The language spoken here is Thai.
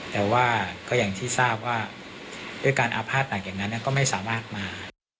แต่ว่าก็อย่างที่ทราบว่าด้วยการอาภาษณหนักอย่างนั้นก็ไม่สามารถมา